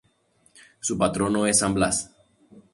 Su patrono es San Blas.